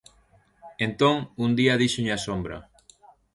Entón, un día díxolle á sombra: